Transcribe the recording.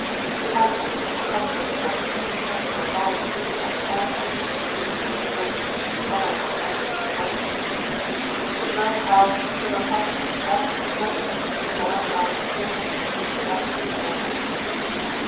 She might speak of the convent where she had been protected and loved, and taught many things useful and good, other than legends and doctrines. She had learned how, through her father's understanding and study, to gather out the good, and leave the rest, in all things.